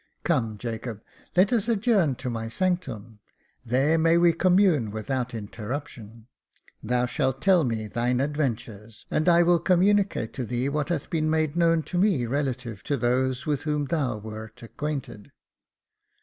" Come, Jacob, let us adjourn to my sanctum ; there may we commune without interruption. Thou shalt tell me thine adventures, and I will communicate to thee what hath been made known to me relative to those with whom thou wert acquainted."